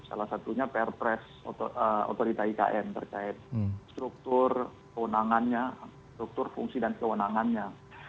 salah satunya pr press otorita ekn terkait struktur kewenangannya struktur fungsi dan kewenangannya